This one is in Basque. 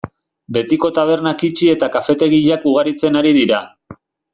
Betiko tabernak itxi eta kafetegiak ugaritzen ari dira.